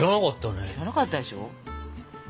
知らなかったでしょ。